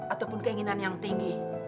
ataupun keinginan yang tinggi